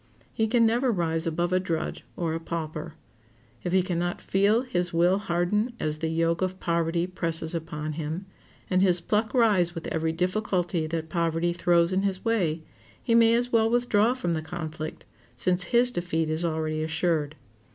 He can never rise above a drudge or a pauper. If he can not feel his will harden as the yoke of poverty presses upon him, and his pluck rise with every difficulty that poverty throws in his way, he may as well withdraw from the conflict, since his defeat is already assured.